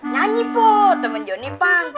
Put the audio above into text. nyanyi po temen jenny pang